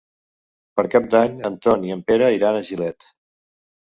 Per Cap d'Any en Ton i en Pere iran a Gilet.